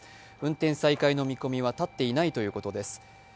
運転再開の見込みは立っていないということです。